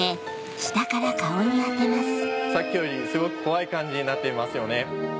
さっきよりすごく怖い感じになっていますよね。